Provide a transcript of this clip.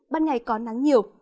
ban ngày có nắng nhiều